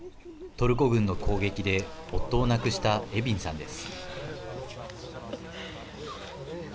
トルコ軍の攻撃で夫を亡くしたエビンさんです。